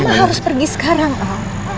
mama harus pergi sekarang al